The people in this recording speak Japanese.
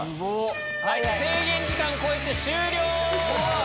制限時間超えて終了！